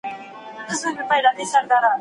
چې هلته هر څوک خوشحاله وي.